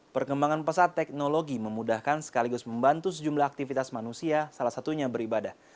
perkembangan pesat teknologi memudahkan sekaligus membantu sejumlah aktivitas manusia salah satunya beribadah